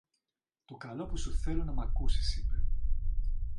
Το καλό που σου θέλω να μ' ακούσεις, είπε.